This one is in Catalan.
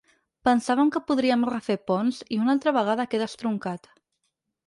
Pensàvem que podríem refer ponts i una altra vegada queda estroncat.